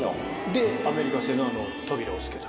でアメリカ製のあの扉を付けた。